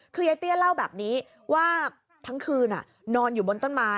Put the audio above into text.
คือยายเตี้ยเล่าแบบนี้ว่าทั้งคืนนอนอยู่บนต้นไม้